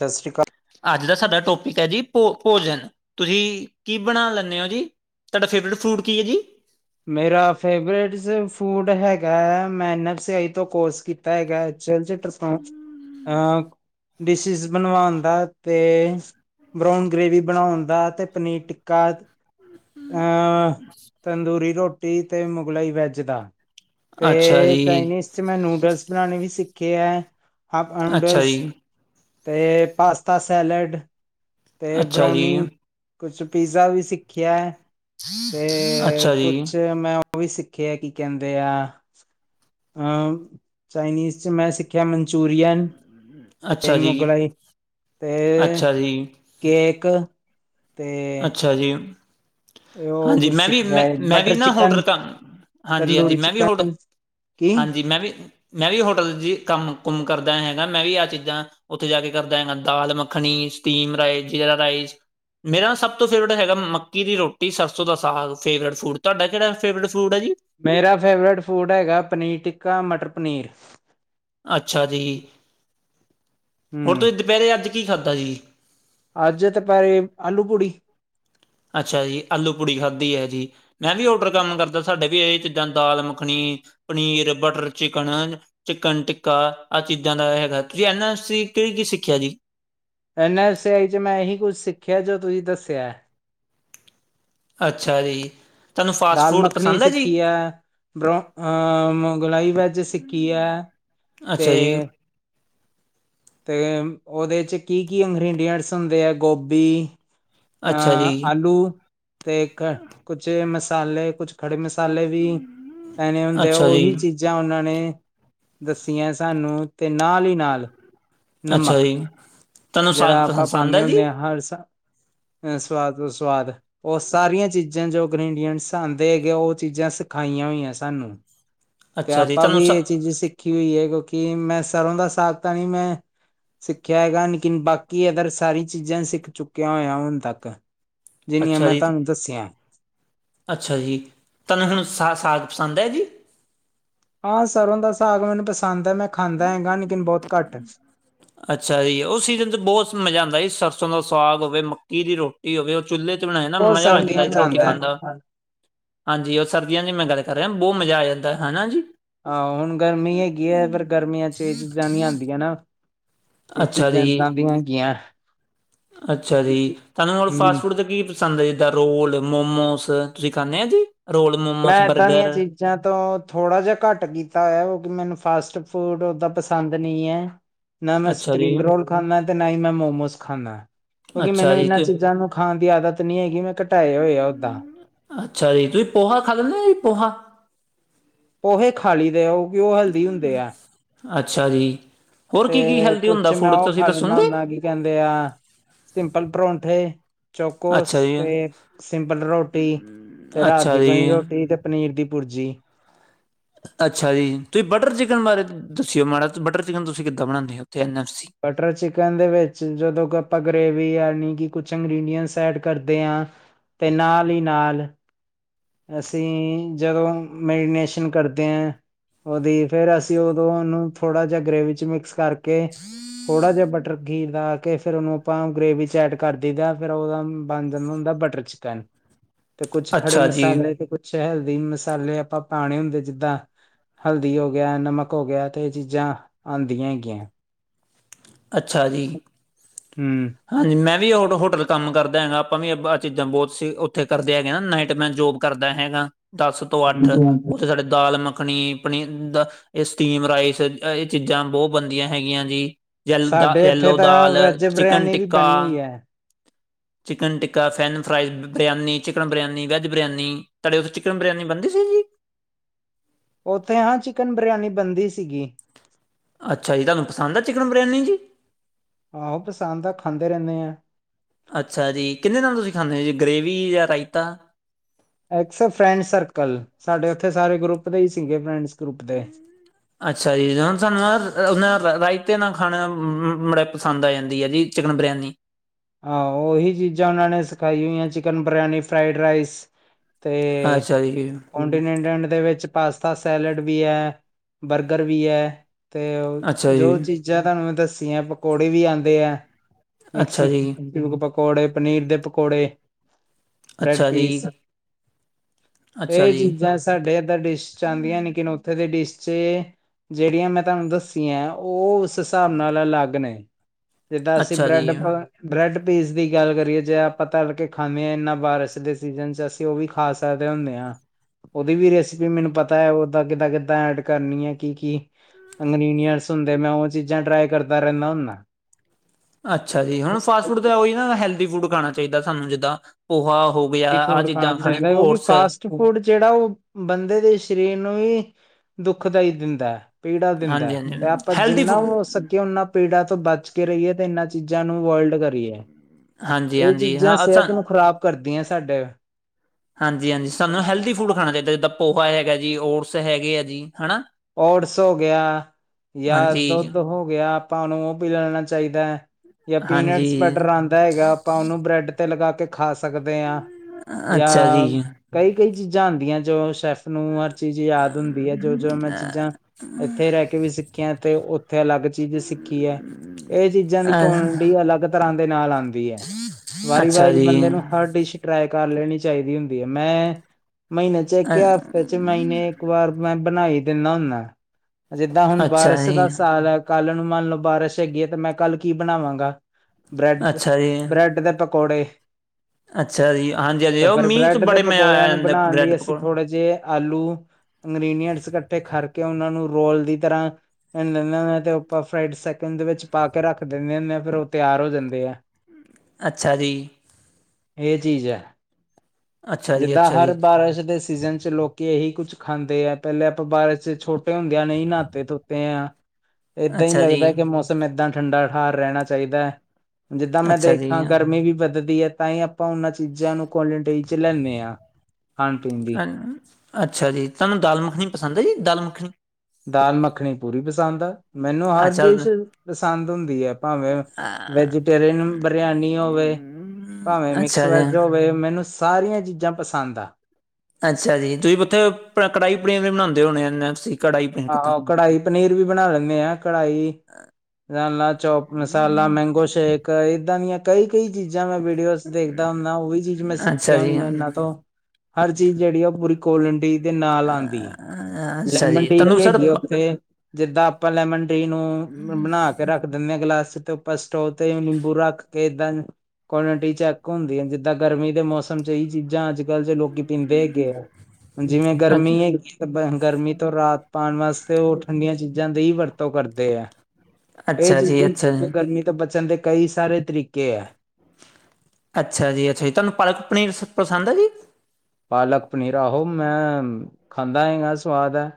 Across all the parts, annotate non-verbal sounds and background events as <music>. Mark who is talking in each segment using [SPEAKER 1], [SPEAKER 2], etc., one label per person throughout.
[SPEAKER 1] ਸਤਿ ਸ਼੍ਰੀ ਅਕਾਲ।
[SPEAKER 2] ਅੱਜ ਦਾ ਸਾਡਾ ਟੋਪਿਕ ਹੈ ਜੀ, ਭੋ ਭੋਜਨ ਤੁਸੀਂ ਕੀ ਬਣਾ ਲੈਂਦੇ ਹੋ ਜੀ? ਤੁਹਾਡਾ ਫੇਵਰੇਟ ਫੂਡ ਕੀ ਹੈ ਜੀ?
[SPEAKER 1] ਮੇਰਾ ਫੇਰੇਟ ਫੂਡ ਹੈਗਾ ਹੈ। ਮੈਨ ਸੀਈ ਤੋਂ ਕੋਰਸ ਕੀਤਾ ਹੈਗਾ। ਤੋਂ ਅ ਡਿਸ਼ਿਸ ਬਣਵਾਉਣ ਦਾ, ਤੇ ਬਰਾਊਨ ਗ੍ਰੇਵੀ ਬਣਾਉਣ ਦਾ, ਤੇ ਪਨੀਰ ਟਿੱਕਾ ਅਹ ਤੰਦੂਰੀ ਰੋਟੀ, ਤੇ ਮੁਗਲਾਈ ਵੈਜ ਦਾ ਤੇ,
[SPEAKER 2] ਅੱਛਾ ਜੀ
[SPEAKER 1] ਚਾਈਨੀਜ਼ 'ਚ ਮੈਂ ਨੂਡਲਸ ਬਣਾਉਣੇ ਵੀ ਸਿੱਖੇ ਐ। ਹਾਫ
[SPEAKER 2] ਅੱਛਾ
[SPEAKER 1] ਨੂਡਲਸ,
[SPEAKER 2] ਜੀ
[SPEAKER 1] ਤੇ ਪਾਸਤਾ ਸੈਲਡ ਤੇ
[SPEAKER 2] ਅੱਛਾ ਜੀ
[SPEAKER 1] ਬਰਾਉਨੀ, ਕੁਛ ਪੀਜ਼ਾ ਵੀ ਸਿੱਖਿਆ ਹੈ। ਤੇ
[SPEAKER 2] ਅੱਛਾ ਜੀ
[SPEAKER 1] ਕੁਛ ਮੈਂ ਉਹ ਵੀ ਸਿੱਖੇ ਆ, ਕੀ ਕਹਿੰਦੇ ਆ? ਅਹ ਚਾਈਨੀਜ਼ 'ਚ ਮੈਂ ਸਿੱਖ ਅਖਿਆ ਮਨਚੂਰੀਅਨ, ਤੇ
[SPEAKER 2] ਅੱਛਾ ਜੀ
[SPEAKER 1] ਮੁਗਲਾਈ, ਤੇ
[SPEAKER 2] ਅੱਛਾ ਜੀ
[SPEAKER 1] ਕੇਕ ਤੇ
[SPEAKER 2] ਅੱਛਾ ਜੀ।
[SPEAKER 1] ਇਹ ਉਹ
[SPEAKER 2] ਹਾਂਜੀ।
[SPEAKER 1] ਕੁਝ
[SPEAKER 2] ਮੈਂ ਵੀ
[SPEAKER 1] ਸਿੱਖਿਆ ਹੈ
[SPEAKER 2] ਮੈਂ-ਮੈਂ ਵੀ
[SPEAKER 1] ਬਟਰ
[SPEAKER 2] ਨਾ
[SPEAKER 1] ਚਿਕਨ
[SPEAKER 2] ਹੋਟਲ ਘ, ਹਾਂਜੀ-ਹਾਂਜੀ
[SPEAKER 1] ਤੰਦੂਰੀ
[SPEAKER 2] ਮੈਂ ਵੀ
[SPEAKER 1] ਚਿਕਨ
[SPEAKER 2] ਹੋਟਲ
[SPEAKER 1] ਕੀ
[SPEAKER 2] ਹਾਂਜੀ। ਮੈਂ ਵੀ-ਮੈਂ ਵੀ ਹੋਟਲ ' ਕੰਮ ਕੁਮ ਕਰਦਾ ਹੈਗਾ। ਮੈਂ ਵੀ ਆਹ ਚੀਜ਼ਾਂ ਉੱਥੇ ਜਾ ਕੇ ਕਰਦਾ ਹੈਗਾ। Dal makhani, steam rice, jeera rice, ਮੇਰਾ ਸਭ ਤੋਂ ਫੇਵਰਟ ਹੈਗਾ। ਮੱਕੀ ਦੀ ਰੋਟੀ, ਸਸਰੋੰ ਦਾ ਸਾਗ, ਫੇਰਟ ਫੂਡ, ਤੁਹਾਡਾ ਕਿਹੜਾ ਫੇਵਰੇਟ ਫੂਡ ਹੈ। ਜੀ
[SPEAKER 1] ਮੇਰਾ ਫੇਵਰੇਟ ਫੂਡ ਹੈਗਾ। ਪਨੀਰ ਟਿੱਕਾ, ਮਟਰ ਪਨੀਰ
[SPEAKER 2] ਅੱਛਾ ਜੀ। ਹੁਣ
[SPEAKER 1] ਹੂੰ
[SPEAKER 2] ਤੁਸੀਂ ਦੁਪਹਿਰੇ ਅੱਜ ਕੀ ਖਾਧਾ ਜੀ।
[SPEAKER 1] ਅੱਜ ਦੁਪਹਿਰੇ ਆਲੂ ਪੁੜੀ
[SPEAKER 2] ਅੱਛਾ ਜੀ। ਆਲੂ ਪੁੜੀ ਖਾਦੀ ਹੈ ਜੀ। ਮੈਂ ਵੀ ਔਡਰ ਕੰਮ ਕਰਦਾ। ਸਾਡੇ ਵੀ ਇਹ ਚੀਜ਼ਾਂ dal makhani, paneer, butter chicken chicken tikka, ਆਹ ਚੀਜ਼ਾਂ ਦਾ ਹੈਗਾ। ਤੁਸੀਂ ਇਹਨਾਂ ਕਿਹੜੀ ਕੀ ਸਿੱਖਿਆ ਜੀ।
[SPEAKER 1] ਐਨ ਐਫ ਸੀ ਆਈ 'ਚ ਮੈਂ ਇਹੀ ਕੁੱਛ ਸਿੱਖਿਆ, ਜੋ ਤੁਸੀਂ ਦੱਸਿਆ।
[SPEAKER 2] ਅੱਛਾ ਜੀ। ਤੁਹਾਨੂੰ ਫਾਸਟ ਫੂਡ ਪਸੰਦ ਹੈ ਜੀ।
[SPEAKER 1] ਬੋ ਅਹ, ਮੁਗਲਾਈ ਵੈੱਜ ਸਿੱਖੀ ਹੈ। ਤੇ
[SPEAKER 2] ਅੱਛਾ ਜੀ।
[SPEAKER 1] ਤੇ, ਉਹਦੇ 'ਚ ਕੀ- ਕੀ ਇੰਗ੍ਰਡੀਐਂਟਸ ਹੁੰਦੇ ਹੈ। ਗੋਭੀ ਅ
[SPEAKER 2] ਅੱਛਾ ਜੀ,
[SPEAKER 1] ਆਲੂ ਤੇ ਕ, ਕੁਛ ਮਸਾਲੇ, ਕੁਛ ਖੜੇ ਮਸਾਲੇ ਵੀ ਪੈਣੇ ਹੁੰਦੇ।
[SPEAKER 2] ਅੱਛਾ
[SPEAKER 1] ਉਹੀ
[SPEAKER 2] ਜੀ,
[SPEAKER 1] ਚੀਜ਼ਾ ਚੀਜ਼ਾਂ ਉਹਨਾਂ ਨੇ, ਦੱਸੀਆਂ ਸਾਨੂੰ, ਤੇ ਨਾਲ ਹੀ ਨਾਲ
[SPEAKER 2] ਅੱਛਾ
[SPEAKER 1] ਨਮਕ
[SPEAKER 2] ਜੀ। ਤੁਹਾਨੂੰ ਸਾਗ
[SPEAKER 1] ਜਿਹੜਾ ਆਪਾਂ
[SPEAKER 2] ਪਸੰਦ
[SPEAKER 1] ਪਾਉਦੇ
[SPEAKER 2] ਹੈ ਜੀ?
[SPEAKER 1] ਹੁੰਦੇ ਹਾਂ ਹਰ, ਸਵਾਦ ਤੋਂ ਸਵਾਦ ਉਹ ਸਾਰੀਆਂ ਚੀਜ਼ਾਂ ਜੋ ਇੰਗਰੀਡੀਅਂਟਸ ਆਉਂਦੇ ਹੈਗੇ ਉਹ ਚੀਜ਼ਾਂ ਸਿਖਾਈਆਂ ਹੋਈਆਂ ਸਾਨੂੰ।
[SPEAKER 2] <inaudible>
[SPEAKER 1] ਤੇ,
[SPEAKER 2] ਜੀ,
[SPEAKER 1] ਆਪਾ
[SPEAKER 2] ਤੁਹਾਨੂੰ
[SPEAKER 1] ਵੀ
[SPEAKER 2] ਸ
[SPEAKER 1] ਇਹ ਚੀਜ਼ ਸਿੱ ਸਿੱਖੀ ਹੋਈ ਏ, ਕਿਉਂਕਿ ਮੈਂ ਸਰੋਂ ਦਾ ਸਾਗ ਤਾਂ ਨਹੀਂ ਮੈਂ, ਸਿੱਖਿਆ ਹੈਗਾ ਲੇਕੀਨ ਬਾਕੀ, ਅਦਰ ਸਾਰੀ ਚੀਜ਼ਾਂ ਸਿੱਖ ਚੁੱਕਿਆ ਹੋਇਆ ਹੁਣ ਤੱਕ। ਜਿੰਨੀਆਂ ਮੈਂ ਤੁਹਾਨੂੰ ਦੱਸੀਆਂ।
[SPEAKER 2] ਅੱਛਾਜੀ। ਤੁਹਾਨੂੰ ਹੁਣ ਸਾ, ਸਾਗ ਪਸੰਦ ਹੈ, ਜੀ?
[SPEAKER 1] ਹਾਂ ਸਰ੍ਹੋਂ ਦਾ ਸਾਗ ਮੈਨੂੰ ਪਸੰਦ ਹੈ, ਮੈਂ ਖਾਂਦਾ ਹੈਗਾ। ਲੇਕਿਨ ਬਹੁਤ ਘੱਟ।
[SPEAKER 2] ਅੱਛਾ ਜੀ। ਉਹ ਸੀਜ਼ਨ'ਚ ਬਹੁਤ ਮਜ਼ਾ ਆਂਦਾ ਜੀ, ਸਰਸੋਂ ਦਾ ਸਾਗ ਹੋਵੇ, ਮੱਕੀ ਦੀ ਰੋਟੀ ਹੋਵੇ ਚੁੱਲ੍ਹੇ‌ ਤੇ ਵੀ ਬਣਾਇਆ ਨਾ,
[SPEAKER 1] ਉਹ
[SPEAKER 2] ਮਜ਼ਾ ਆ
[SPEAKER 1] ਸਰਦੀਆਂ
[SPEAKER 2] ਜਾਂਦਾ
[SPEAKER 1] ਚ
[SPEAKER 2] ਰੋਟੀ
[SPEAKER 1] ਆਉਂਦਾ
[SPEAKER 2] ਖਾਣ ਦਾ।
[SPEAKER 1] ਹੈ।
[SPEAKER 2] ਹਾਂਜੀ, ਉਹ ਸਰਦੀਆਂ ਦੀ''ਮੈਂ ਗੱਲ ਕਰ ਰਿਹਾ, ਬਹੁਤ ਮਜ਼ਾ ਆ ਜਾਂਦਾ, ਹਨਾ ਜੀ।
[SPEAKER 1] ਆਹੋ, ਹੁਣ ਗਰਮੀ ਹੈਗੀ ਏ, ਪਰ ਗਰਮੀਆਂ'ਚ ਇਹ ਚੀਜ਼ਾਂ ਨੀ ਆਂਦੀਆਂ ਨਾ। ਕੁਛ
[SPEAKER 2] ਅੱਛਾ
[SPEAKER 1] ਚੀਜ਼ਾਂ
[SPEAKER 2] ਜੀ,
[SPEAKER 1] ਏਦਾਂ ਦੀਆਂ ਹੈਗੀਆਂ।
[SPEAKER 2] ਅੱਛਾ ਜੀ। ਤੁਹਾਨੂੰ ਹੁਨ
[SPEAKER 1] ਹਮ
[SPEAKER 2] ਫਾਸਟ-ਫੂਡ ਦਾ ਕੀ ਪਸੰਦ ਜਾਂ ਰੋਲ, ਮੋਮੋਸ ਤੁਸੀਂ ਖਾਂਦੇ ਆ ਜੀ? ਰੋਲ,
[SPEAKER 1] ਮੈਂ,
[SPEAKER 2] ਮੋਮੋਸ,
[SPEAKER 1] ਏਦਾਂ ਦੀਆਂ
[SPEAKER 2] ਬਰਗਰ,
[SPEAKER 1] ਚੀ ਚੀਜਾ਼ ਤੋਂ ਥੋੜ੍ਹਾ ਜਿਹਾ ਘੱਟ ਕੀਤਾ ਹੋਇਆ, ਉਹ ਕਿ ਮੈਨੂੰ ਫਾਸਟ-ਫੂਡ ਓਦਾਂ ਪਸੰਦ ਨਹੀਂ ਹੈ। ਨਾ ਮੈਂ,
[SPEAKER 2] ਅੱਛਾ ਜੀ।
[SPEAKER 1] ਸਪ੍ਰੀੰਗ ਰੋਲ ਖਾਂਨਾ, ਤੇ ਨਾ ਹੀ ਮੈਂ ਮੋਮੋਜ਼ ਖਾਂਨਾ। ਕਿਉਂਕਿ
[SPEAKER 2] ਅੱਛਾ
[SPEAKER 1] ਮੈਨੂੰ
[SPEAKER 2] ਜੀ
[SPEAKER 1] ਇਹਨਾਂ
[SPEAKER 2] ਤੇ
[SPEAKER 1] ਚੀਜ਼ਾਂ ਨੂੰ ਖਾਣ ਦੀ ਆਦਤ ਨੀ ਹੈਗੀ, ਮੈਂ ਘਟਾਏ ਹੋਏ ਆ ਓਦਾਂ।
[SPEAKER 2] ਅੱਛਾ-ਜੀ, ਤੁਸੀ ਪੋਹਾ ਖਾ ਲੈਂਨੇ ਜੀ, ਪੋਹਾ?
[SPEAKER 1] ਪੋਹੇ ਖਾਲੀਦੇ ਆ, ਉਹ ਕਿ ਉਹ ਹੈਲਦੀ ਹੁੰਦੇ ਆ।
[SPEAKER 2] ਅੱਛਾ-ਜੀ, ਹੋਰ ਕੀ-ਕੀ
[SPEAKER 1] ਤੇ
[SPEAKER 2] ਹੈਲਦੀ
[SPEAKER 1] ਕੁਛ
[SPEAKER 2] ਹੁੰਦਾ
[SPEAKER 1] ਮੈਂ
[SPEAKER 2] ਫੂਡ'ਚ
[SPEAKER 1] ਉਹ
[SPEAKER 2] ਤੁਸੀਂ
[SPEAKER 1] ਖਾ ਲੈਂਦਾ
[SPEAKER 2] ਦੱਸੋਗੇ?
[SPEAKER 1] ਹੁੰਦਾ ਕੀ ਕਹਿੰਦੇ ਆ, ਸਿੰਪਲ ਪਰੌਂਠੇ। ਚੋਕੋਸ
[SPEAKER 2] ਅੱਛਾ ਜੀ
[SPEAKER 1] ਤੇ ਸਿੰਪਲ ਰ੍ਹੋਟੀ, ਤੇ ਰਾਤ
[SPEAKER 2] ਅੱਛਾ
[SPEAKER 1] ਦੀ
[SPEAKER 2] ਜੀ
[SPEAKER 1] ਬਣੀ ਰੋਟੀ, ਤੇ ਪਨੀਰ ਦੀ ਭੁਰਜੀ।
[SPEAKER 2] ਅੱਛਾ ਜੀ, ਤੁਸੀਂ ਬਟਰ ਚਿਕਨ ਬਾਰੇ ਦੱਸਿਓ, ਮਾੜਾ ਬਟਰ ਚਿਕਨ ਤੁਸੀਂ ਕਿੱਦਾਂ ਬਣਾਉਂਦੇ, ਓਥੇ ਐਨਾ ਤੁਸੀ?
[SPEAKER 1] ਬਟਰ ਚਿਕਨ ਦੇ ਵਿੱਚ ਜਦੋਂ ਕੋ, ਆਪਾਂ ਗ੍ਰੇਵੀ ਯਾਨੀ, ਕਿ ਕੁਛ ਇੰਗ੍ਰਡੀਅਂਟਸ ਐਡ ਕਰਦੇ ਹਾਂ ਤੇ, ਨਾਲ ਹੀ ਨਾਲ ਅਸੀਂ ਜਦੋਂ, ਮੈਡੀਨੇਸ਼ਨ ਕਰਦੇ ਹਾਂ ਉਹਦੀ ਫਿਰ, ਅਸੀਂ ਉਦੋਂ ਉਹਨੂੰ ਥੋੜ੍ਹਾ ਜਿਹਾ ਗ੍ਰੇਵੀ'ਚ ਮਿਕਸ ਕਰਕੇ ਥੋੜਾ ਜਿਹਾ ਬਟਰ ਘੀ ਲਾਕੇ, ਫਿਰ ਉਹਨੂੰ ਆਪਾਂ ਗ੍ਰੇਵੀ'ਚ ਐਡ ਕਰ ਦਈਦਾ, ਫਿਰਰ ਉਹਦਾ ਬਣ ਜਾਂਦਾ ਹੁੰਦਾ ਬ ਬਟਰ ਚਿਕਨ।
[SPEAKER 2] <inaudible>
[SPEAKER 1] ਤੇ ਕੁਛ ਖੜੇ
[SPEAKER 2] ਅੱਛਾ ਜੀ
[SPEAKER 1] ਮਸਾਲੇ, ਤੇ ਕੁਛ ਹੈਲਦੀ ਮਸਾਲੇ ਆਪਾਂ ਪਾਣੇ ਹੁੰਦੇ ਜਿੱਦਾਂ ਹਲਦੀ ਹੋਗਿਆ, ਨਮਕ ਹੋਗਿਆ ਅਤੇ ਇਹ ਚੀਜ਼ਾਂ ਆਂਦੀਆਂ ਹੈਗੀਆਂ।
[SPEAKER 2] ਅੱਛਾ ਜੀ। ਹਾਂਜੀ, ਮੈਂ ਵੀ ਹੋ, ਹੋਟਲ ਕੰਮ ਕਰਦਾ ਹੈਗਾਂ, ਆਪਾਂ ਵੀ ਆ ਚੀਜ਼ਾਂ ਬਹੁਤ ਸੀ ਉੱਥੇ ਕਰਦੇ ਹੈਗੇ ਹਾਂ, ਨਾਈਟ ਮੈਂ ਜੋ ਕਰਦਾ ਹੈਂਗਾ ਦਸ ਤੋਂ ਅੱਠ,
[SPEAKER 1] ਹਮ
[SPEAKER 2] ਉਥੇ ਸਾਡੇ ਦਾਲ-ਮੱਖਣੀ ਪਨੀਰ ਦਾ ਇਹ ਸਟੀਮ-ਰਾਈਸ ਇਹ ਚੀਜ਼ਾਂ ਬਹੁਤ ਬਣਦੀਆਂ ਹੈਗੀਆਂ ਜੀ। ਯ,
[SPEAKER 1] ਸਾਡੇ ਇੱਥੇ
[SPEAKER 2] ਯੈਲੋ
[SPEAKER 1] ਤਾਂ
[SPEAKER 2] ਦਾਲ,
[SPEAKER 1] ਵੈਜ
[SPEAKER 2] ਚਿਕਨ
[SPEAKER 1] ਬਰਿਆਨੀ ਵੀ
[SPEAKER 2] ਟਿੱਕਾ।
[SPEAKER 1] ਬਣੀ ਹੋਈ ਹੈ
[SPEAKER 2] ਚਿਕਨ ਟਿੱਕਾ, ਫੈਨ-ਫਰਾਈ, ਬਰਿਆਨੀ, ਚਿਕਨ ਬਰਿਆਨੀ ਵੈੱਜ ਬਰਿਆਨੀ ਤੁਹਾਡੇ ਉਥੋਂ ਚਿਕਨ ਬਰਿਆਨੀ ਬਣਦੀ ਸੀ ਜੀ?
[SPEAKER 1] ਉੱਥੇ ਹਾਂ, ਚਿਕਨ ਬਰਿਆਨੀ ਬਣਦੀ ਸੀਗੀ।
[SPEAKER 2] ਅੱਛਾ ਜੀ। ਤੁਹਾਨੂੰ ਪਸੰਦ ਆ, ਚਿਕਨ ਬਰਿਆਨੀ ਜੀ?
[SPEAKER 1] ਆਹੋ, ਪਸੰਦ ਆ ਖਾਂਦੇ ਰਹਿੰਨੇ ਆਂ।
[SPEAKER 2] ਅੱਛਾ ਜੀ। ਕਿੰਨੇ ਦਿਨ ਤੁਸੀਂ ਖਾਂਦੇ ਹੋ ਜੀ, ਗ੍ਰੇਵੀ ਯਾ ਰਾਇਤਾ?
[SPEAKER 1] ਐਕਸ ਫਰੈਂਡ ਸਰਕਲ, ਸਾਡੇ ਉੱਥੇ ਸਾਰੇ ਗਰੁੱਪ ਦੇ ਹੀ ਸੀਗੇ, ਫਰੈਂਡਸ ਗਰੁੱਪ ਦੇ।
[SPEAKER 2] ਅੱਛਾ ਜੀ, ਹੁਣ ਸਾਨੂੰ ਉਹ ਰਾਇਤੇ ਨਾਲ ਖਾਣਾ ਬੜੀ ਪਸੰਦ ਆ ਜਾਂਦੀ ਆ ਜੀ, ਚਿਕਨ ਬਰਿਆਨੀ।
[SPEAKER 1] ਆਹੋ, ਉਹੀ ਚੀਜ਼ਾਂ ਉਹਨਾਂ ਨੇ ਸਿਖਾਈ ਹੋਈਆਂ, ਚਿਕਨ ਬਰਿਆਨੀ, ਫਰਾਈਡ-ਰਾਈਸ। ਤੇ
[SPEAKER 2] ਅੱਛਾ ਜੀ
[SPEAKER 1] ਕੋਂਟੀਨੈਂਟੇਟ ਦੇ ਵਿੱਚ ਪਾਸਤਾ ਸੈਲਡ ਵੀ ਹੈ, ਬਰਗਰ ਵੀ ਹੈ। ਤੇ,
[SPEAKER 2] ਅੱਛਾ
[SPEAKER 1] ਜੋ
[SPEAKER 2] ਜੀ
[SPEAKER 1] ਚੀਜ਼ਾਂ ਤੁਹਾਨੂੰ ਮੈਂ ਦੱਸੀਆਂ, ਪਕੌੜੇ ਵੀ ਆਉਂਦੇ ਆ, ਮਿਕਸ
[SPEAKER 2] ਅੱਛਾ ਜੀ
[SPEAKER 1] ਪਕੌੜੇ ਪਨੀਰ ਦੇ ਪਕੌੜੇ ਬ੍ਰੈਡ
[SPEAKER 2] ਅੱਛਾ
[SPEAKER 1] ਪੀਸ
[SPEAKER 2] ਜੀ ਅੱਛਾ
[SPEAKER 1] ਇਹ
[SPEAKER 2] ਜੀ
[SPEAKER 1] ਚੀਜ਼ਾਂ ਸਾਡੇ ਇੱਦਾਂ ਡਿਸ਼ ਚ ਆਉਦੀਆਂ ਨਈ, ਲੇਕਿਨ ਉੱਥੇ ਦੇ ਡਿਸ਼ ਚ ਜਿਹੜੀਆਂ ਮੈਂ ਤੁਹਾਨੂੰ ਦੱਸੀਆਂ ਉਹ ਉਸ ਹਿਸਾਬ ਨਾਲ ਅਲੱਗ ਨੇ ਜਿੱਦਾਂ ਅਸੀਂ
[SPEAKER 2] ਅੱਛਾ ਜੀ
[SPEAKER 1] ਬ੍ਰੈਡ ਬ੍ਰੈਡ ਪੀਸ ਦੀ ਗੱਲ ਕਰੀਏ ਜੇ ਆਪਾਂਤਾ ਤਲ ਕੇ ਖਾਂਦੇ ਹਾਂ ਇੰਨਾ ਬਾਰਿਸ਼ ਦੇ ਸੀਜ਼ਨ ਚ ਉਹ ਵੀ ਖਾ ਸਕਦੇ ਹੁੰਦੇ ਹਾਂ ਉਹਦੀ ਵੀ ਰੈਸਪੀ ਮੈਨੂੰ ਪਤਾ ਹੈ, ਓਦਾਂ ਕਿੱਦਾਂ- ਕਿੱਦਾਂ ਐਡ ਕਰਨੀ ਹੈ ਕੀ- ਕੀ ਅੰਗਨੀ ਨੀਅਰਸ ਹੁੰਦੇ ਮੈਂ ਉਹ ਚੀਜ਼ਾਂ ਟਰਾਈ ਕਰਦਾ ਰਹਿੰਦਾ ਹੁੰਦਾ
[SPEAKER 2] ਅੱਛਾ ਜੀ ਹੁਣ ਫਾਸਟ ਫੂਡ ਤਾਂ ਉਹੀ ਨਾ ਹੈਲਥੀ ਫੂਡ ਖਾਣਾ ਚਾਹੀਦਾ ਸਾਨੂੰ ਜਿੱਦਾਂ ਪੋਹਾ ਗਿਆ
[SPEAKER 1] ਹੈਲਥੀ
[SPEAKER 2] ਆਹ
[SPEAKER 1] ਫੂਡ ਖਾਣਾ
[SPEAKER 2] ਚੀਜ਼ਾਂ ਖਾਣੇ
[SPEAKER 1] ਚਾਹੀਦਾ ਕਿਉਂਕਿ
[SPEAKER 2] ਓਟਸ
[SPEAKER 1] ਫਾਸਟ ਫੂਟ ਜਿਹੜਾ ਉਹ ਬੰਦੇ ਦੇ ਸਰੀਰ ਨੂੰ ਹੀ ਦੁੱਖਦਾ ਹੀ ਦਿੰਦਾ ਹੈ ਪੀੜਾ ਦਿੰਦਾ
[SPEAKER 2] ਹਾਂਜੀ ਹਾਂਜੀ
[SPEAKER 1] ਤੇ ਆਪਾਂ
[SPEAKER 2] ਹੈਲਦੀ
[SPEAKER 1] ਜਿੰਨਾ
[SPEAKER 2] ਫੂਡ
[SPEAKER 1] ਹੋ ਸਕੀਏ ਓਨਾ ਪੀੜਾਂ ਤੋਂ ਬਚ ਕੇ ਰਹੀਏ ਤੇ, ਇਹਨਾਂ ਚੀਜ਼ਾਂ ਨੂੰ ਵੋਇਲਡ ਕਰੀਏ
[SPEAKER 2] ਹਾਂਜੀ
[SPEAKER 1] ਇਹ
[SPEAKER 2] ਹਾਂਜੀ
[SPEAKER 1] ਚੀਜ਼ਾਂ
[SPEAKER 2] ਹਾਂ
[SPEAKER 1] ਸਿਹਤ
[SPEAKER 2] ਅਸਾਂ
[SPEAKER 1] ਨੂੰ ਖ਼ਰਾਬ ਕਰਦੀਆਂ ਸਾਡੇ
[SPEAKER 2] ਹਾਂਜੀ- ਹਾਂਜੀ ਸਾਨੂੰ ਹੈਲਦੀ ਫੂਡ ਖਾਣਾ ਚਾਹੀਦਾ ਜਿੱਦਾਂ ਪੋਹਾ ਹੈਗਾ ਜੀ ਓਟਸ ਹੈਗੇ ਆ ਜੀ ਹਨਾ
[SPEAKER 1] ਓਟਸ ਹੋ ਗਿਆ ਯਾਂ
[SPEAKER 2] ਹਾਂਜੀ
[SPEAKER 1] ਦੁੱਧ ਹੋ ਗਿਆ ਆਪਾਂ ਉਹਨੂੰ ਉਹ ਪੀ ਲੈਣਾ ਚਾਹੀਦਾ ਹੈ ਜਾਂ
[SPEAKER 2] ਹਾਂਜੀ
[SPEAKER 1] ਪੀਨਟਸ ਬੱਟਰ ਆਉਂਦਾ ਹੈਗਾ ਆਪਾਂ ਉਹਨੂੰ ਬ੍ਰੈਡ ਤੇ ਲਗਾ ਕੇ ਖਾ ਸਕਦੇ ਹਾਂ ਜਾਂ
[SPEAKER 2] ਅੱਛਾ ਜੀ
[SPEAKER 1] ਕਈ- ਕਈ ਚੀਜ਼ਾਂ ਹੁੰਦੀਆਂ ਜੋ ਸ਼ੈਫ ਨੂੰ ਹਰ ਚੀਜ਼ ਯਾਦ ਹੁੰਦੀ ਹੈ ਜੋ ਮੈਂ ਚੀਜ਼ਾਂ ਇੱਥੇ ਰਹਿ ਕੇ ਵੀ ਸਿੱਖੀਆਂ ਤੇ ਉੱਥੇ ਅਲੱਗ ਚੀਜ਼ ਸਿੱਖੀ ਹੈ। ਇਹ ਚੀਜ਼ਾਂ ਦੀ
[SPEAKER 2] ਅ
[SPEAKER 1] ਕੁਆਲਿਟੀ ਅਲੱਗ ਤਰ੍ਹਾਂ ਦੇ ਨਾਲ ਆਉਂਦੀ ਹੈ। ਵਾਰੀ-
[SPEAKER 2] ਅੱਛਾ
[SPEAKER 1] ਵਾਰੀ
[SPEAKER 2] ਜੀ,
[SPEAKER 1] ਬੰਦੇ ਨੂੰ ਹਰ ਡਿਸ਼ ਟਰਾਈ ਕਰ ਲੈਣੀ ਚਾਹੀਦੀ ਹੁੰਦੀ ਹੈ, ਮੈਂ ਮਹੀਨੇ ਚ ਇੱਕ
[SPEAKER 2] ਅ
[SPEAKER 1] ਆ ਵਿੱਚ ਮਹੀਨੇ ਇੱਕ ਵਾਰ ਮੈਂ ਬਣਾਈ ਦਿੰਦਾ ਹੁੰਦਾ। ਜਿੱਦਾਂ ਹੁਣ
[SPEAKER 2] ਅੱਛਾ
[SPEAKER 1] ਬਾਰਿਸ਼ ਦਾ
[SPEAKER 2] ਜੀ,
[SPEAKER 1] ਸਾਲ ਹੈ ਕੱਲ ਨੂੰ ਮੰਨ ਲਓ ਬਾਰਿਸ਼ ਹੈਗੀ ਹੈ, ਤੇ ਮੈਂ ਕੱਲ ਕੀ ਬਣਾਵਾਂਗਾ ਬ੍ਰੈਡ,
[SPEAKER 2] ਅੱਛਾ ਜੀ।
[SPEAKER 1] ਬ੍ਰੈਡ ਦੇ ਪਕੌੜੇ
[SPEAKER 2] ਅੱਛਾ ਜੀ, ਹਾਂਜੀ-ਹਾਂਜੀ
[SPEAKER 1] ਤੇ
[SPEAKER 2] ਉਹ
[SPEAKER 1] ਫਿਰ
[SPEAKER 2] ਮੀਂਹ 'ਚ
[SPEAKER 1] ਬ੍ਰੈਡ ਤੇ
[SPEAKER 2] ਬੜੇ ਮਜ਼ਾ
[SPEAKER 1] ਪਕੌੜਿਆਂ
[SPEAKER 2] ਆਇਆ
[SPEAKER 1] ਨੂੰ
[SPEAKER 2] ਜਾਂਦਾ
[SPEAKER 1] ਬਣਾਉਣ
[SPEAKER 2] ਬ੍ਰੈਡ
[SPEAKER 1] ਲਈ ਅਸੀਂ
[SPEAKER 2] ਪਕੌੜੇ
[SPEAKER 1] ਥੋੜੇ ਜਿਹੇ ਆਲੂ ਇੰਗ੍ਰਡੀਂਟਸ ਇਕੱਠੇ ਖਕੇ ਉਹਨਾਂ ਨੂੰ ਰੋਲ ਦੀ ਤਰ੍ਹਾਂ ਲਹ ਲੈਂਦੇ ਹੁੰਦੇ ਆ ਤੇ ਆਪਾਂ ਫਡ ਸੈਕਿੰਡ ਦੇ ਵਿੱਚ ਪਾ ਕੇ ਰੱਖ ਦਿੰਦੇ ਹੁੰਦੇ ਆ। ਫਿਰ ਉਹ ਤਿਆਰ ਹੋ ਜਾਂਦੇ ਆ
[SPEAKER 2] ਅੱਛਾ ਜੀ।
[SPEAKER 1] ਇਹ ਚੀਜ਼ ਹੈ।
[SPEAKER 2] ਅੱਛਾ ਜੀ,
[SPEAKER 1] ਜਿੱਦਾਂ
[SPEAKER 2] ਅੱਛਾ
[SPEAKER 1] ਹਰ
[SPEAKER 2] ਜੀ,
[SPEAKER 1] ਬਾਰਸ਼ ਦੇ ਸੀਜ਼ਨ ਚ ਲੋਕ ਕਿ ਇਹੀ ਕੁੱਛ ਖਾਂਦੇ ਆ ਪਹਿਲੇ ਆਪਾਂ ਬਾਰ ਚ ਛੋਟੇ ਹੁੰਦਿਆਂ ਨੇ ਨਹਾਤੇ ਧੋਤੇ ਆ ਏਦਾਂ ਹੀ
[SPEAKER 2] ਅੱਛਾ ਜੀ,
[SPEAKER 1] ਲੱਗਦਾ ਕਿ ਮੌਸਮ ਏਦਾਂ ਠੰਡਾ ਠਾਰ ਰਹਿਣਾ ਚਾਹੀਦਾ ਹੈ। ਜਿੱਦਾਂ ਮੈਂ
[SPEAKER 2] ਅੱਛਾ ਜੀ।
[SPEAKER 1] ਦੇਖਾਂ ਗਰਮੀ ਵੀ ਵਧਦੀ ਹੈ ਤਾਂ ਹੀ ਆਪਾਂ ਉਹਨਾਂ ਚੀਜ਼ਾਂ ਨੂੰ ਕੁਆਲਟੀ ਲੈਂਦੇ ਹਾਂ ਖਾਣ ਪੀਣ ਚ
[SPEAKER 2] ਅੱਛਾ ਜੀ ਤੁਹਾਨੂੰ ਦਾਲ ਮੱਖਣੀ ਪਸੰਦ ਹੈ ਜੀ, ਦਾਲ ਮੱਖਣੀ
[SPEAKER 1] ਦਾਲ ਮੱਖਣੀ ਪੂਰੀ ਪਸੰਦ ਆ, ਮੈਨੂੰ ਹਰ
[SPEAKER 2] ਅੱਛਾ,
[SPEAKER 1] ਡਿਸ਼ ਪਸੰਦ ਹੁੰਦੀ ਹੈ। ਭਾਵੇਂ ਵੈਜੀਟੇਰੀਅਨ ਬਰਿਆਨੀ ਹੋਵੇ ਭਾਵੇਂ ਮਿਕਸ
[SPEAKER 2] ਅੱਛਾ ਜੀ।
[SPEAKER 1] ਵੈਜ ਹੋਵੇ ਮੈਨੂੰ ਸਾਰੀਆਂ ਚੀਜ਼ਾਂ ਪਸੰਦ ਆ।
[SPEAKER 2] ਅੱਛਾ ਜੀ ਤੁਸੀਂ ਉੱਥੇ ਕੜਾਈ ਪਨੀਰ ਵੀ ਬਣਾਉਂਦੇ ਹੋਣੇ ਆ ਤੁਸੀਂ ਕੜਾਈ ਪਨੀਰ
[SPEAKER 1] ਆਹੋ ਕੜਾਹੀ ਪਨੀਰ ਵੀ ਬਣਾ ਲੈਂਦੇ ਹਾਂ, ਕੜਾਹੀ ਰਾ ਚੌਪ ਮਸਾਲਾ ਮੈਂਗੋ ਸ਼ੇਕ ਇਏਦਾਂ ਦੀਆਂ ਕਈ- ਕਈ ਚੀਜ਼ਾਂ ਮੈਂ ਵੀਡੀਓਜ਼ ਦੇਖਦਾ ਹੁੰਦਾ, ਉਹ ਵੀ ਚੀਜ਼ ਮੈਂ
[SPEAKER 2] ਅੱਛਾ
[SPEAKER 1] ਸਿੱਖੀਆਂ
[SPEAKER 2] ਜੀ,
[SPEAKER 1] ਹੋਈਆਂ ਇਹਨਾਂ ਤੋਂ ਹਰ ਚੀਜ਼ ਜਿਹੜੀ ਆ ਉਹ ਪੂਰੀ ਕੋਲਨਟੀ ਦੇ ਨਾਲ ਆਉਂਦੀ ਹੈ
[SPEAKER 2] ਅੱਛਾ
[SPEAKER 1] ਲੈਮਨ
[SPEAKER 2] ਜੀ,
[SPEAKER 1] ਟੀ
[SPEAKER 2] ਤੁਹਾਨੂੰ
[SPEAKER 1] ਵੀ ਹੇ
[SPEAKER 2] ਸਰ
[SPEAKER 1] ਓ ਉਥੇ ਜਿੱਦਾਂ ਆਪਾਂ ਲੈਮਨ ਟੀ ਨੂੰ ਬਣਾ ਕੇ ਰੱਖ ਦਿੰਦੇ ਹਾਂ ਗਲਾਸ ਤੇ ਪਸ਼ਟਹੋ ਤੇ ਨਿੰਬੂ ਰੱਖ ਕੇ ਇੱਦਾਂ ਕੁਆਂਟਿਟੀ ਚੈੱਕ ਹੁੰਦੀ ਆ, ਜਿੱਦਾਂ ਗਰਮੀ ਦੇ ਮੌਸਮ ਚ ਇਹੀ ਚੀਜ਼ਾਂ ਅੱਜ ਅੱਜ ਕੱਲ ਜੇ ਲੋਕੀ ਪੀਂਦੇ ਹੈਗੇ ਆ, ਹੁਣ ਜਿਵੇਂ ਗਰਮੀ ਹੈਗੀ, ਗਰਮੀ ਤੋਂ ਰਾਤ ਪਾਉਣ ਵਾਸਤੇ ਉਹ ਠੰਡੀਆਂ ਚੀਜ਼ਾਂ ਦੀ ਹੀ ਵਰਤੋਂ ਕਰਦੇ ਹੈ। ਇਹ
[SPEAKER 2] ਅੱਛਾ ਜੀ,
[SPEAKER 1] ਚੀਜ਼ਾਂ
[SPEAKER 2] ਅੱਛਾ ਜੀ।
[SPEAKER 1] ਗਰਮੀ ਬਚਣ ਦੇ ਕਈ ਸਾਰੇ ਤਰੀਕੇ ਹੈ।
[SPEAKER 2] ਅੱਛਾ ਜੀ, ਅੱਛਾ ਜੀ, ਤੁਹਾਨੂੰ ਪਾਲਕ ਪਨੀਰ ਪਸੰਦ ਹੈ ਜੀ।
[SPEAKER 1] ਪਾਲਕ ਪਨੀਰ ਆਹੋ ਮੈਂ ਖਾਂਦਾ ਹੈਗਾ ਸਵਾਦ ਹੈ।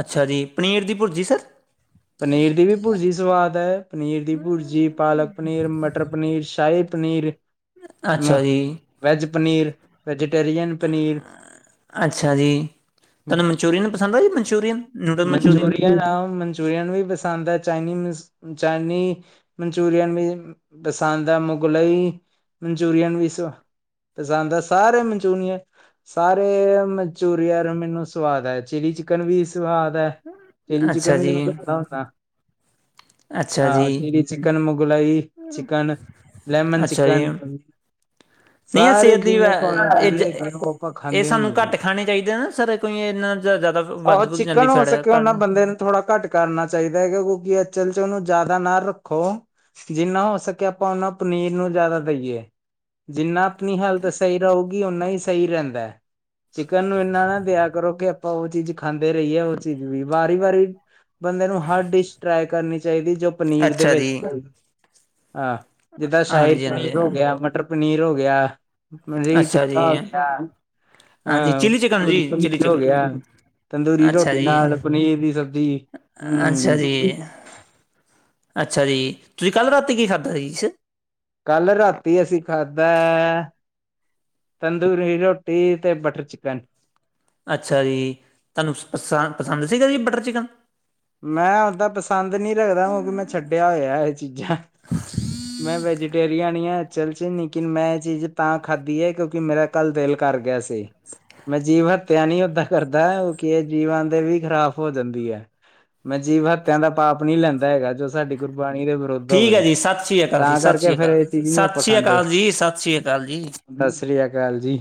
[SPEAKER 2] ਅੱਛਾ ਜੀ ਪਨੀਰ ਦੀ ਭੁਰਜੀ ਸਰ।
[SPEAKER 1] ਪਨੀਰ ਦੀ ਵੀ ਭੁਰਜੀ ਸਵਾਦ ਹੈ, ਪਨੀਰ ਦੀ ਭੁਰਜੀ, ਪਾਲਕ ਪਨੀਰ, ਮਟਰ ਪਨੀਰ, ਸ਼ਾਹੀ ਪਨੀਰ
[SPEAKER 2] ਅੱਛਾ ਜੀ
[SPEAKER 1] ਵੈੱਜ ਪਨੀਰ, ਵੈਜੀਟੇਰੀਅਨ ਪਨੀਰ
[SPEAKER 2] ਅੱਛਾ ਜੀ, ਤੁਹਾਨੂੰ ਮਨਚੂਰੀਅਨ ਪਸੰਦ ਆ ਜੀ, ਮਨਚੂਰੀਅਨ ਨੂਡਲ
[SPEAKER 1] ਮਨਚੂਰੀਨ
[SPEAKER 2] ਮਨਚੂਰੀਅਨ
[SPEAKER 1] ਅ ਮਨਚੂਰੀਅਨ ਮਨਚੂਰੀਅਨ ਵੀ ਪਸੰਦ ਹੈ, ਚਾਈਨੀਜ਼, ਚਾਈਨੀਜ਼ ਮਨਚੁਰੀਅਨ ਵੀ ਪਸੰਦ ਹੈ, ਮੁਗਲਈ, ਮਨਚੂਰੀਅਨ ਵੀ ਸੌ ਪਸੰਦ ਐ, ਸਾਰੇ ਮਨਚੂਰੀਨ ਸਾਰੇ ਮਨਚੂਰੀਅਨ ਮੈਨੂੰ ਸਵਾਦ ਆ, ਚਿਲੀ ਚਿਕਨ ਵੀ ਸਵਾਦ ਹੈ, ਚਿੱਲੀ
[SPEAKER 2] ਅੱਛਾ
[SPEAKER 1] ਚਿਕਨ
[SPEAKER 2] ਜੀ ਅੱਛਾ ਜੀ
[SPEAKER 1] ਚਿਕਨ ਮੁਗਲਾਈ, ਚਿਕਨ, ਲੈਮਨ
[SPEAKER 2] ਅੱਛਾ ਜੀ
[SPEAKER 1] ਚਿਕਨ
[SPEAKER 2] ਨਹੀਂ ਆ
[SPEAKER 1] ਸਾਰੇ
[SPEAKER 2] ਸਿਹਤ ਲਈ,
[SPEAKER 1] ਜਿੰਨੇ
[SPEAKER 2] ਇਹ,
[SPEAKER 1] ਕੁਆਂਟਿਟੀ ਹੈਗੀ ਆ ਉਹ ਆਪਾਂ
[SPEAKER 2] ਇਹ
[SPEAKER 1] ਖਾਂਦੇ
[SPEAKER 2] ਸਾਨੂੰ
[SPEAKER 1] ਹੁੰਦੇ ਆ।
[SPEAKER 2] ਘੱਟ ਖਾਣੇ ਚਾਹੀਦੇ ਨਾ ਸਰ ਈ ਇੰਨਾ ਜ਼ਿਆਦਾ
[SPEAKER 1] ਆਹੋ
[SPEAKER 2] ਵੱਧ ਵਧ ਜਾਂਦੀ
[SPEAKER 1] ਚਿਕਨ ਹੋ
[SPEAKER 2] ਫੈਟ
[SPEAKER 1] ਸਕੇ ਉਹਨਾਂ
[SPEAKER 2] ਕਾਰਨ
[SPEAKER 1] ਬੰਦੇ ਨੂੰ ਥੋੜ੍ਹਾ ਘੱਟ ਕਰਨਾ ਚਾਹੀਦਾ ਹੈਗਾ ਕਿਉਂਕਿ ਅਚਲ 'ਚ ਉਹਨੂੰ ਜ਼ਿਆਦਾ ਨਾ ਰੱਖੋ ਜਿੰਨਾ ਹੋ ਸਕੇ ਆਪਾਂ ਉਹਨਾ ਪਨੀਰ ਨੂੰ ਜ਼ਿਆਦਾ ਦੇਈਏ ਜਿੰਨਾ ਆਪਣੀ ਹੈਲਥ ਸਹੀ ਰਹੁਗੀ, ਓਹਨਾ ਹੀ ਸਹੀ ਰਹਿੰਦਾ ਚਿਕਨ ਨੂੰ ਇੰਨਾ ਨਾ ਦਇਆ ਕਰੋ ਕਿ ਆਪਾਂ ਉਹ ਚੀਜ਼ ਖਾਂਦੇ ਰਹੀ ਹੈ ਉਹ ਚੀਜ਼ ਵੀ, ਵਾਰੀ- ਵਾਰੀ, ਬੰਦੇ ਨੂੰ ਹਰ ਡਿਸ਼ ਟਰਾਈ ਕਰਨੀ ਚਾਹੀਦੀ, ਜੋ ਪਨੀਰ ਦੇ
[SPEAKER 2] ਅੱਛਾ
[SPEAKER 1] ਵਿੱਚ
[SPEAKER 2] ਜੀ
[SPEAKER 1] ਚਹੀ, ਹਾਂ ਜਿੱਦਾਂ ਸ਼ਾਇਰ
[SPEAKER 2] ਹਾਂਜੀ ਹਾਂਜੀ
[SPEAKER 1] ਪਨੀਰ ਹੋ ਗਿਆ ਮਟਰ ਪਨੀਰ ਹੋ ਗਿਆ ਪਨੀਰ
[SPEAKER 2] ਅੱਛਾ
[SPEAKER 1] ਟੀਕਾ
[SPEAKER 2] ਜੀ
[SPEAKER 1] ਹੋ ਗਿਆ,
[SPEAKER 2] ਹਾਂਜੀ
[SPEAKER 1] ਹਾਂ
[SPEAKER 2] ਚਿੱਲੀ ਚਿਕਨ
[SPEAKER 1] ਲਾਹੋਰੀ
[SPEAKER 2] ਜੀ ਚਿੱਲੀ
[SPEAKER 1] ਪਮੀਰ ਹੋ
[SPEAKER 2] ਚਿਕਨ
[SPEAKER 1] ਗਿਆ ਤੰਦੂਰੀ
[SPEAKER 2] ਅੱਛਾ
[SPEAKER 1] ਰੋਟੀ
[SPEAKER 2] ਜੀ
[SPEAKER 1] ਨਾਲ, ਪਨੀਰ ਦੀ ਸਬਜ਼ੀ,
[SPEAKER 2] ਅੱਛਾ
[SPEAKER 1] ਹਮ
[SPEAKER 2] ਜੀ ਅੱਛਾ ਜੀ, ਤੁਸੀਂ ਕੱਲ੍ਹ ਰਾਤੀ ਕੀ ਖਾਧਾ ਜੀ, ਇਸ
[SPEAKER 1] ਕੱਲ ਰਾਤੀ ਅਸੀਂ ਖਾਧਾ ਤੰਦੂਰੀ ਰੋਟੀ ਤੇ ਬਟਰ ਚਿਕਨ
[SPEAKER 2] ਅੱਛਾ ਜੀ, ਤੁਹਾਨੂੰ ਪਸਾ ਪਸੰਦ ਸੀਗਾ ਜੀ ਬਟਰ ਚਿਕਨ
[SPEAKER 1] ਮੈਂ ਓਦਾਂ ਪਸੰਦ ਨਹੀਂ ਰੱਖਦਾ, ਕਿਉਕਿ ਮੈਂ ਛੱਡਿਆ ਹੋਇਆ ਇਹ ਚੀਜ਼ਾਂ ਮੈਂ ਵੈਜੀਟੇਰੀਅਨ ਹਾਂ, ਚਲਚ ਲੇਕਿਨ ਮੈਂ ਇਹ ਚੀਜ਼ ਤਾਂ ਖਾਧੀ ਹੈ ਕਿਉਂਕਿ ਮੇਰਾ ਕੱਲ ਦਿਲ ਕਰ ਗਿਆ ਸੀ ਮੈਂ ਜੀਵ ਹੱਤਿਆ ਨਹੀਂ ਓਦਾਂ ਕਰਦਾ, ਉਹ ਕੀ ਜੀਵਾਂ ਦੇ ਵੀ ਖ਼ਰਾਬ ਹੋ ਜਾਂਦੀ ਹੈ ਮੈਂ ਜੀਬ ਹੱਤਿਆ ਦਾ ਪਾਪ ਨਹੀਂ ਲੈਂਦਾ ਹੈਗਾ, ਜੋ ਸਾਡੀ ਗੁਰਬਾਣੀ ਦੇ ਵਿਰੁੱਧ
[SPEAKER 2] ਠੀਕ ਹੈ
[SPEAKER 1] ਹੋਵੇ।
[SPEAKER 2] ਜੀ, ਸਤਿ ਸ਼੍ਰੀ ਅਕਾਲ ਜੀ,
[SPEAKER 1] ਤਾਂ
[SPEAKER 2] ਸਤਿ
[SPEAKER 1] ਕਰਕੇ
[SPEAKER 2] ਸ਼੍ਰੀ
[SPEAKER 1] ਫੇਰ
[SPEAKER 2] ਅਕਾਲ
[SPEAKER 1] ਇਹ
[SPEAKER 2] ਜ,
[SPEAKER 1] ਚੀਜ਼ ਨੀ
[SPEAKER 2] ਸਤਿ ਸ਼੍ਰੀ ਅਕਾਲ ਜੀ- ਸਤਿ ਸ਼੍ਰੀ ਅਕਾਲ ਜੀ
[SPEAKER 1] ਸਾਤ ਸ੍ਰੀ ਅਕਾਲ ਜੀ